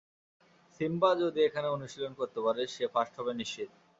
Simba যদি এখানে অনুশীলন করতে পারে, সে ফাস্ট হবে নিশ্চিত!